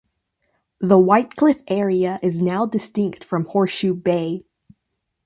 The Whytecliff area is now distinct from Horseshoe Bay.